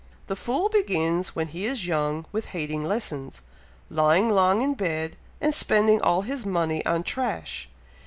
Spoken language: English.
"The fool begins, when he is young, with hating lessons, lying long in bed, and spending all his money on trash.